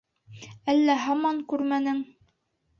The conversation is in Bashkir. Әллә һаман күрмәнең?